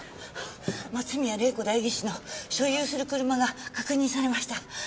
松宮玲子代議士の所有する車が確認されました。